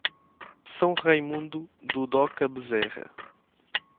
São Raimundo do Doca Bezerra